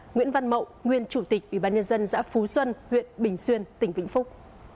nguyễn văn mậu nguyên chủ tịch ủy ban nhân dân xã phú xuân huyện bình xuyên tỉnh vĩnh phúc